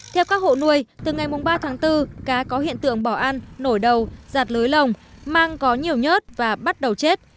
theo các hộ nuôi từ ngày ba tháng bốn cá có hiện tượng bỏ ăn nổi đầu giặt lưới lồng mang có nhiều nhớt và bắt đầu chết